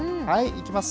いきます。